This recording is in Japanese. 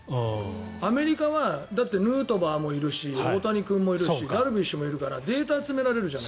アメリカはヌートバーもいるし大谷君もいるしダルビッシュ君もいるからデータが集められるじゃない。